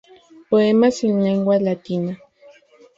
Poemas en lengua latina.